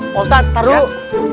pak ustadz taruh